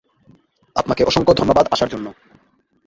আপনাকে অসংখ্য ধন্যবাদ আসার জন্য!